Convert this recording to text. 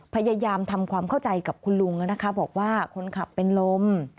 พยายามทำความเข้าใจกับคุณลุงนะคะบอกว่าคนขับเป็นลม